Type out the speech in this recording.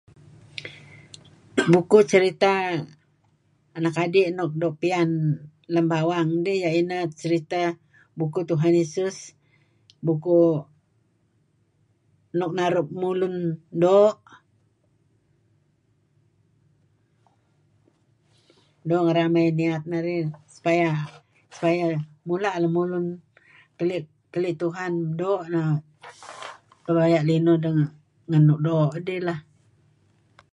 Bukuh cerita anak adi' nuk doo' piyan lem bawang dih iyeh ineh cerita bukuh Tuhan Yesus bukuh nuk naru' mulun doo' doo' ngedamey niyat narih supaya mula' lemulun keli' Tuhan doo' neh tebaya' linuh deh ngan nuk doo' lah.